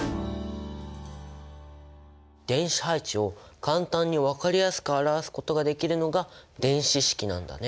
電子配置を簡単に分かりやすく表すことができるのが電子式なんだね。